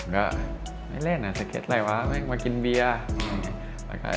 ก็ไม่เล่นอ่ะสเก็ตอะไรวะไม่มากินเบียร์